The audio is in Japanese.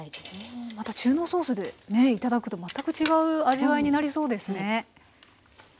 また中濃ソースで頂くと全く違う味わいになりそうですね。